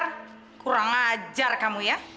kurang ajar kamu ya